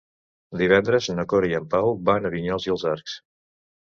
Divendres na Cora i en Pau van a Vinyols i els Arcs.